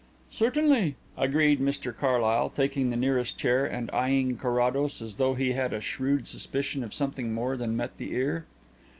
"Certainly," agreed Mr Carlyle, taking the nearest chair and eyeing Carrados as though he had a shrewd suspicion of something more than met the ear.